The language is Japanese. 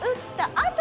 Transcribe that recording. あと。